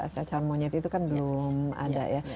cacar monyet itu kan belum ada ya